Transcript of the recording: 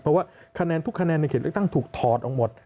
เพราะว่าคะแนนทุกคะแนนในเขตเลือกตั้งถูกถอดออกหมด